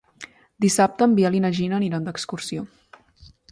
Dissabte en Biel i na Gina aniran d'excursió.